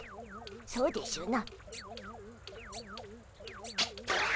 そうでしゅな。